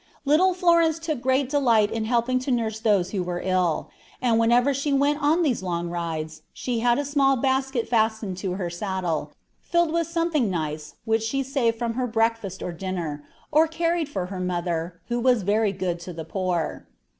Little Florence took great delight in helping to nurse those who were ill; and whenever she went on these long rides, she had a small basket fastened to her saddle, filled with something nice which she saved from her breakfast or dinner, or carried for her mother, who was very good to the poor.